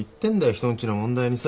人んちの問題にさ。